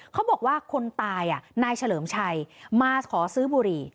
เขาบอกว่าคนตายนายเฉลิมชัยมาขอซื้อบุหรี่